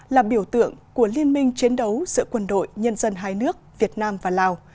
là biểu tượng của liên minh chiến đấu giữa quân đội nhân dân hai nước việt nam và lào